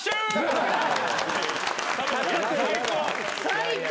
最高。